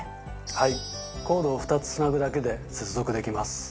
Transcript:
はいコードを２つつなぐだけで接続できます。